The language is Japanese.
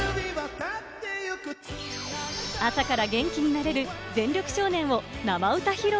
朝から元気になれる『全力少年』を生歌披露！